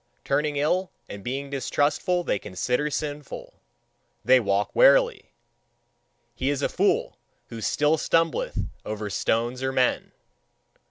Turning ill and being distrustful, they consider sinful: they walk warily. He is a fool who still stumbleth over stones or men!